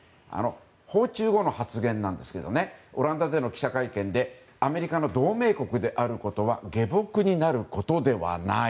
訪中後の発言なんですけどオランダでの記者会見でアメリカの同盟国であることは下僕になることではない。